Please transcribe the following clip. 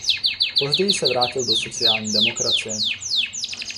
Později se vrátil do sociální demokracie.